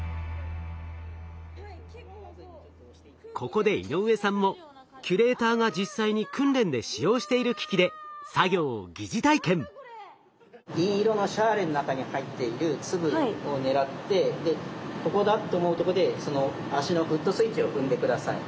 ここで井上さんもキュレーターが実際に訓練で使用している機器で銀色のシャーレの中に入っている粒を狙ってここだと思うとこでその足のフットスイッチを踏んで下さい。